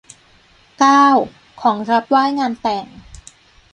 เก้า ของรับไหว้งานแต่ง